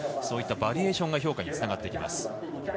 そういったバリエーションが評価につながっていきます。